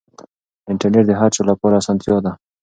انټرنیټ د هر چا لپاره اسانتیا ده.